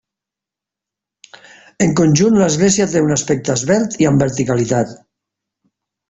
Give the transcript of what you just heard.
En conjunt l'església té un aspecte esvelt i amb verticalitat.